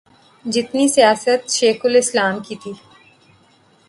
جتنی سیاست شیخ الاسلام کی تھی۔